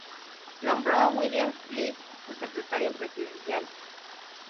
Nombró a William Bliss su secretario presidencial.